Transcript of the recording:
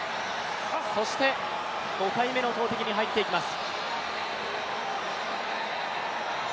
そして、５回目の投てきに入っていきます。